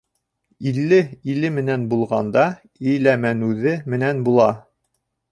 Илле иле менән булғанда, Иләмәнүҙе менән була.